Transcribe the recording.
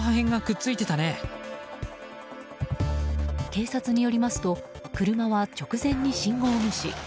警察によりますと車は直前に信号無視。